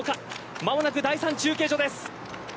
間もなく第３中継所です。